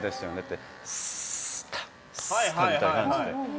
すーっみたいな感じで。